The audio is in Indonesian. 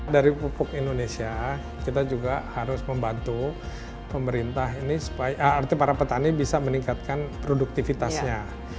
dari pupuk indonesia kita juga harus membantu pemerintah ini supaya arti para petani bisa meningkatkan produktivitasnya